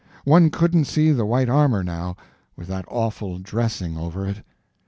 One couldn't see the white armor now, with that awful dressing over it.